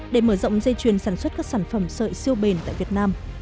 để mở rộng dây chuyền sản xuất các sản phẩm sợi siêu bền tại việt nam